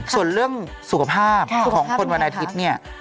ส่วนเรื่องสุขภาพของคนวันอาทิตย์เนี่ย